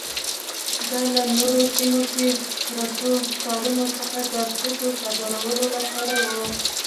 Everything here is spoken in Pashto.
دا له لوړو سیمو کې پرتو ښارونو څخه د توکو صادرولو لپاره وه.